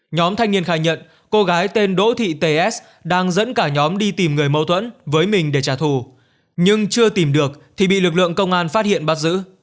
nhóm thanh niên khai nhận cô gái tên đỗ thị ts đang dẫn cả nhóm đi tìm người mâu thuẫn với mình để trả thù nhưng chưa tìm được thì bị lực lượng công an phát hiện bắt giữ